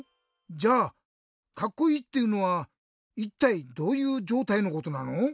じゃあカッコイイっていうのはいったいどういうじょうたいのことなの？